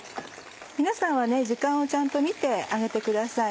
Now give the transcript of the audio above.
皆さんは時間をちゃんと見て揚げてください。